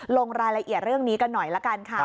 ลงรายละเอียดเรื่องนี้กันหน่อยละกันค่ะ